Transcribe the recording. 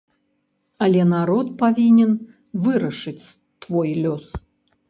Але народ павінен вырашыць твой лёс.